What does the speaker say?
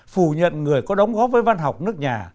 phủ nhận người có đóng góp với văn học nước nhà